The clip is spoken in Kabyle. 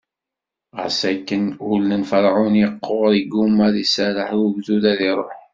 Ɣas akken, ul n Ferɛun iqqur, iggumma ad iserreḥ i ugdud ad iṛuḥ.